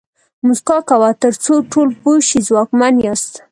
موسکا کوه تر څو ټول پوه شي ځواکمن یاست.